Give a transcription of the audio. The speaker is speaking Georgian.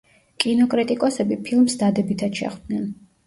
კინოკრიტიკოსები ფილმს დადებითად შეხვდნენ.